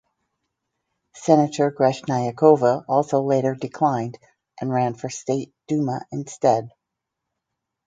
Senator Greshnyakova also later declined and ran for State Duma instead.